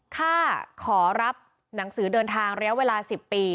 ขอรับหนังสือเดินทางระยะเวลา๑๐ปี